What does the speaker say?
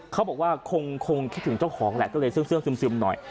เขาบอกว่าคงคิดถึงเจ้าของแหละก็เลยเสื้อซึมหน่อย